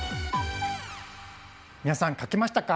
皆さんかけましたか？